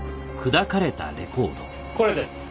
これです。